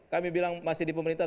kami bilang masih di pemerintah